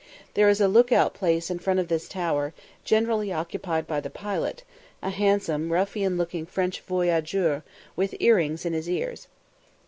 There is a look out place in front of this tower, generally occupied by the pilot, a handsome, ruffian looking French voyageur, with earrings in his ears.